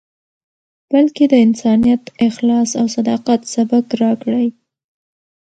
بلکې د انسانیت، اخلاص او صداقت، سبق راکړی.